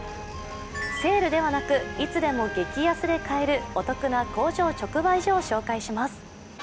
セールではなく、いつでも激安で買える、お得な工場直売所を紹介します。